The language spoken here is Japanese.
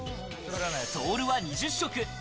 ソールは２０色。